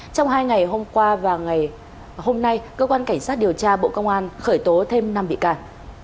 trong hai ngày hôm qua và ngày hôm nay cơ quan cảnh sát điều tra bộ công an khởi tố thêm năm bị can